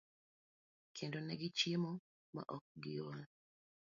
kendo ne gichiemo ma ok giol.